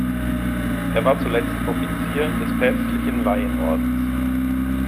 Er war zuletzt Offizier des Päpstlichen Laienordens.